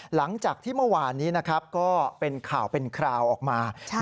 หลังจากที่เมื่อวานนี้นะครับก็เป็นข่าวเป็นคราวออกมา